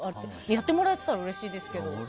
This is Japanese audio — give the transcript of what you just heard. やってもらえてたらうれしいですけど。